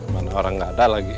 mana orang gak ada lagi ya